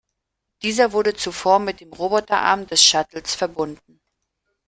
Dieser wurde zuvor mit dem Roboterarm des Shuttles verbunden.